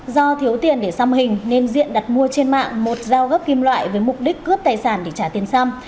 do thiếu tiền để xăm hình nên diện đặt mua trên mạng một dao gấp kim loại với mục đích cướp tài sản để trả tiền xăm